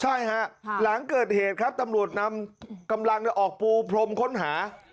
ใช่ฮะหลังเกิดเหตุครับตำรวจนำกำลังออกปูพรมค้นหา